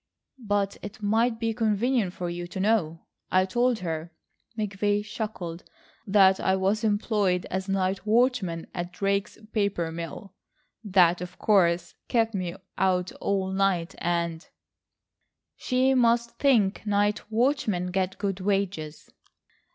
"But it might be convenient for you to know. I told her," McVay chuckled, "that I was employed as night watchman at Drake's paper mill. That of course kept me out all night, and—" "She must think night watchmen get good wages."